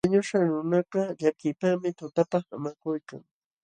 Wañuśhqa nunakaq llakiypaqmi tutapa haamakuykan.